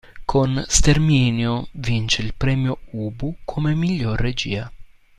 Con "Sterminio" vince il Premio Ubu come "miglior regia".